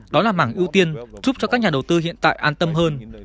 đó là mảng ưu tiên giúp cho các nhà đầu tư hiện tại an tâm hơn